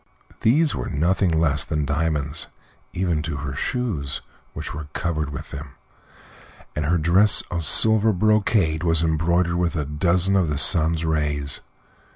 These were nothing less than diamonds, even to her shoes, which were covered with them, and her dress of silver brocade was embroidered with a dozen of the sun's rays.